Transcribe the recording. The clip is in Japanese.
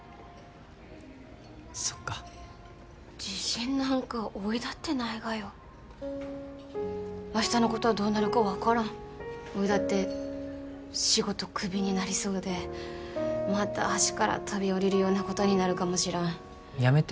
そっか自信なんかおいだってないがよ明日のことはどうなるか分からんおいだって仕事クビになりそうでまた橋から飛び降りるようなことになるかもしらんやめて？